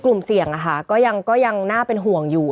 กลุ่มเสี่ยงนะคะก็ยังน่าเป็นห่วงอยู่